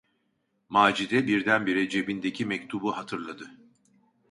Macide birdenbire cebindeki mektubu hatırladı.